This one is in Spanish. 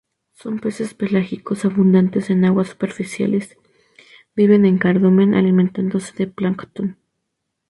Son peces pelágicos abundantes en aguas superficiales; viven en cardumen alimentándose de plancton.